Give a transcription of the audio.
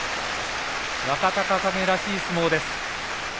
若隆景らしい相撲です。